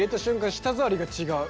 舌触りが違う。